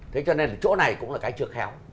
thế cho nên chỗ này cũng là cái trượt khéo